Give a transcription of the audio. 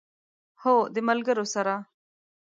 هو، د ملګرو سره